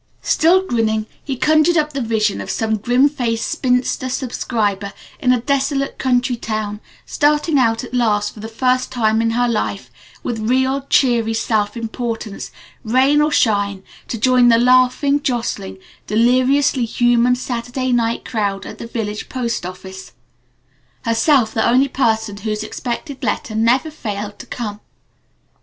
Still grinning he conjured up the vision of some grim faced spinster subscriber in a desolate country town starting out at last for the first time in her life, with real, cheery self importance, rain or shine, to join the laughing, jostling, deliriously human Saturday night crowd at the village post office herself the only person whose expected letter never failed to come!